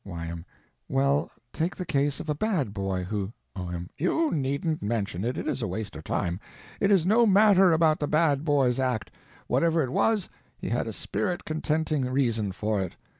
Y.M. Well, take the case of a bad boy who— O.M. You needn't mention it, it is a waste of time. It is no matter about the bad boy's act. Whatever it was, he had a spirit contenting reason for it.